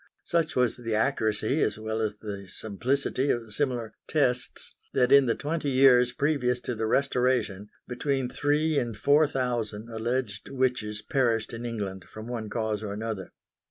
Such was the accuracy as well as the simplicity of similar "tests" that, in the twenty years previous to the Restoration, between three and four thousand alleged witches perished in England from one cause or another.